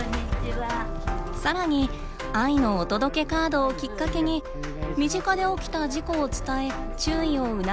さらに「愛のお届けカード」をきっかけに身近で起きた事故を伝え注意を促すことも。